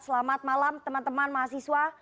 selamat malam teman teman mahasiswa